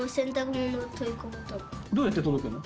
どうやって届くの？